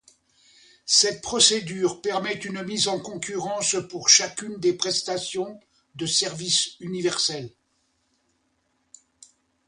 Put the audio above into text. Cette procédure permet une mise en concurrence pour chacune des prestations de service universel.